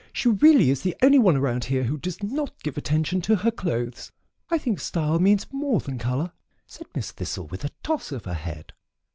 She really is the only one around here who does not give attention to her clothes. I think style means more than color," said Miss Thistle, with a toss of her head.